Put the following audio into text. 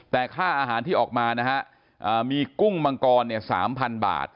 แต่ค่าอาหารที่ออกมานะฮะมีกุ้งมังกร๓๐๐บาท